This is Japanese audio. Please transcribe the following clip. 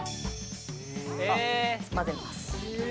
混ぜます。